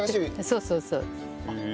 そうそうそう。